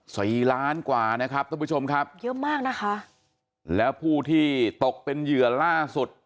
สี่ล้านกว่านะครับท่านผู้ชมครับเยอะมากนะคะแล้วผู้ที่ตกเป็นเหยื่อล่าสุด